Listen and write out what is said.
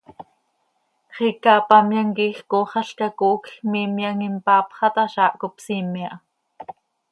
Xiica hapamyam quih iij cooxalca coocj miimyam impaapxa ta, zaah cop siime aha.